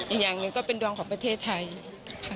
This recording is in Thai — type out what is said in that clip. อีกอย่างหนึ่งก็เป็นดวงของประเทศไทยค่ะ